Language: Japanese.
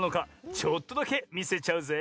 ちょっとだけみせちゃうぜい！